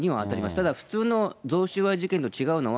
ただ、普通の贈収賄事件と違うのは、